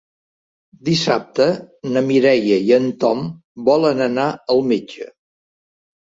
Dissabte na Mireia i en Tom volen anar al metge.